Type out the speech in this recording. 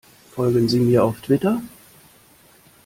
Folgen Sie mir auf Twitter!